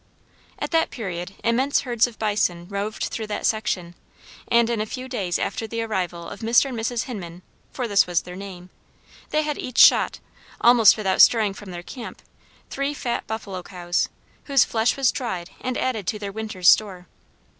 At that period immense herds of bison roved through that section, and in a few days after the arrival of Mr. and Mrs. Hinman for this was their name they had each shot, almost without stirring from their camp, three fat buffalo cows, whose flesh was dried and added to their winter's store.